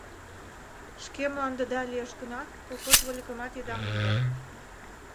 — Шке мландыда лиеш гынат, колхоз вольыкымат ида мондо.